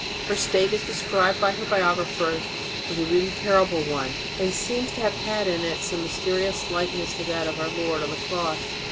Her state, as described by her biog raphers, was a really terrible one, and seems to have had in it some mysterious likeness to that of our Lord on the Cross.